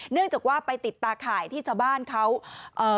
เนื่องจากว่าไปติดตาข่ายที่ชาวบ้านเขาเอ่อ